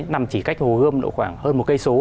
nằm chỉ cách hồ gươm độ khoảng hơn một cây số